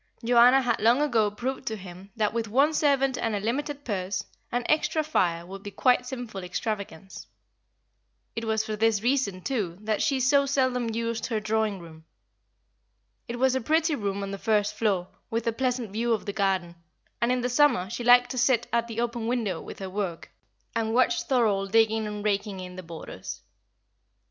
Joanna had long ago proved to him that with one servant and a limited purse, an extra fire would be quite a sinful extravagance. It was for this reason too that she so seldom used her drawing room. It was a pretty room on the first floor, with a pleasant view of the garden, and in summer she liked to sit at the open window with her work, and watch Thorold digging and raking in the borders.